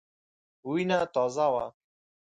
وینه تازه وه.